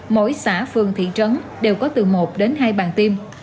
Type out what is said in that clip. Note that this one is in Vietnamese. mỗi xã phường thị trấn đều có từ một đến hai bàn tiêm